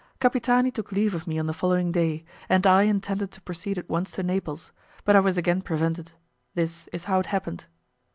Capitani took leave of me on the following day, and I intended to proceed at once to Naples, but I was again prevented; this is how it happened.